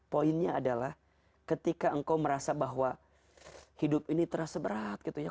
poinnya adalah ketika engkau merasa bahwa hidup ini terasa berat gitu ya